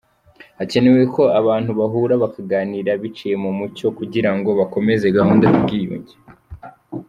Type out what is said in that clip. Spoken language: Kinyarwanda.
Hakenewe ko abantu bahura bakaganira biciye mu muco kugira ngo bakomeze gahunda y’ubwiyunge.